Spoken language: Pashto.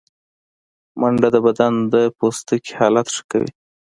منډه د بدن د پوستکي حالت ښه کوي